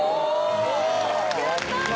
やった。